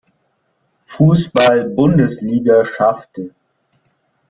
Fußball-Bundesliga schaffte.